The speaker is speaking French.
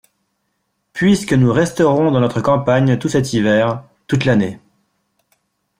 Puisque nous resterons dans notre campagne tout cet hiver, toute l'année.